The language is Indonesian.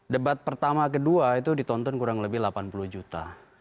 debat pertama kedua itu ditonton kurang lebih delapan puluh juta